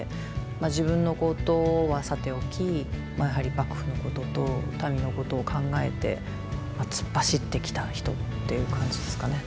自分のことはさておきやはり幕府のことと民のことを考えて突っ走ってきた人っていう感じですかね。